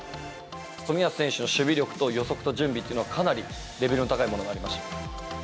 冨安選手の守備力と、予測と準備っていうのは、かなりレベルの高いものがありました。